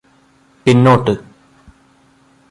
പിന്നോട്ട്